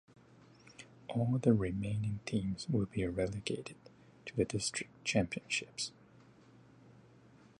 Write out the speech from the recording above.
All the remaining teams will be relegated to the District Championships.